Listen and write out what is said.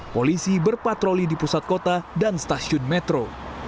polisi berpatroli di pusat kota dan stasiun metro